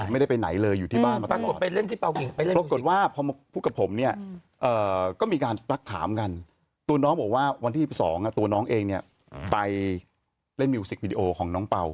ไม่ได้ไปไหนเลยอยู่ที่บ้านมาปรากฏไปเล่นที่ปรากฏว่าพอพูดกับผมเนี่ยก็มีการทักถามกันตัวน้องบอกว่าวันที่๑๒ตัวน้องเองเนี่ยไปเล่นมิวสิกวิดีโอของน้องเป่า